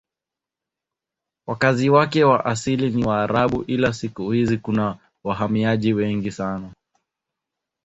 Wakazi wake wa asili ni Waarabu ila siku hizi kuna wahamiaji wengi sana.